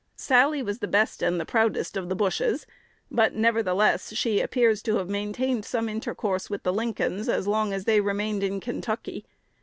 Sally was the best and the proudest of the Bushes; but, nevertheless, she appears to have maintained some intercourse with the Lincolns as long as they remained in Kentucky.